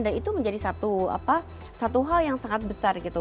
dan itu menjadi satu hal yang sangat besar gitu